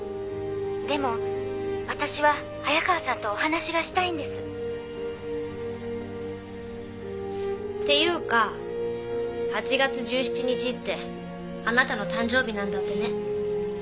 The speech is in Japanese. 「でも私は早川さんとお話がしたいんです」っていうか８月１７日ってあなたの誕生日なんだってね？